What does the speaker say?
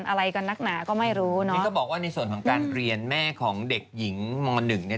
อะไรกันนักหนาก็ไม่รู้เนอะนี่ก็บอกว่าในส่วนของการเรียนแม่ของเด็กหญิงมหนึ่งเนี่ย